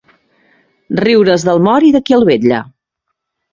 Riure's del mort i de qui el vetlla.